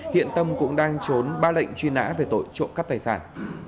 hiện tâm cũng đang trốn ba lệnh truy nã về tội trộm cắp tài sản